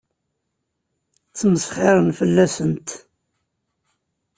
Ttmesxiṛen fell-asent.